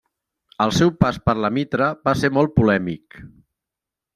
El seu pas per la Mitra va ser molt polèmic.